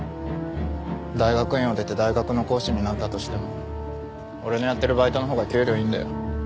大学院を出て大学の講師になったとしても俺のやってるバイトのほうが給料いいんだよ。